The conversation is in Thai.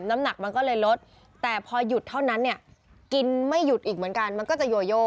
น้ำหนักมันก็เลยลดแต่พอหยุดเท่านั้นเนี่ยกินไม่หยุดอีกเหมือนกันมันก็จะโยโย